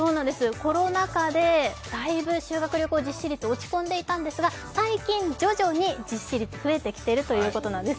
コロナ禍で大分、修学旅行実施率、落ち込んでいたんですが最近、徐々に実施率が増えてきているということなんです。